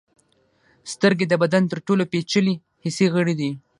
سترګې د بدن تر ټولو پیچلي حسي غړي دي.